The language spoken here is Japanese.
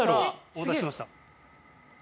お待たせしました。